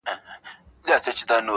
اشرف المخلوقات یم ما مېږی وژلی نه دی,